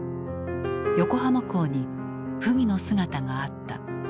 横浜港に溥儀の姿があった。